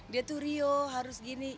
dia tuh rio harus gini